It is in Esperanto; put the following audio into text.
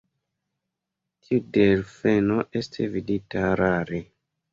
Tiu delfeno estis vidita rare.